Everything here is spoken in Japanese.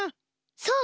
そう！